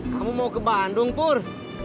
kamu mau ke bandung pur